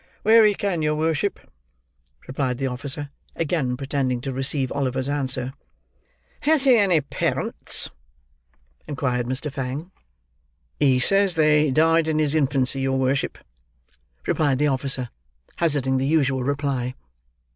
"Where he can, your worship," replied the officer; again pretending to receive Oliver's answer. "Has he any parents?" inquired Mr. Fang. "He says they died in his infancy, your worship," replied the officer: hazarding the usual reply.